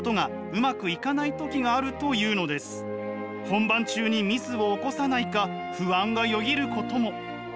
本番中にミスを起こさないか不安がよぎることも。